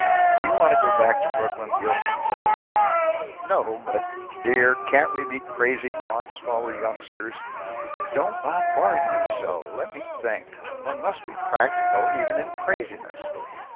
"Do you want to go back to Brooklyn Gilsonses?" "No, but " "Dear, can't we be crazy once, while we're youngsters?" "Don't bombard me so! Let me think. One must be practical, even in craziness."